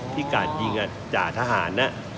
ที่การยิงจากทหาร